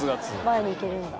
前にいけるんだ。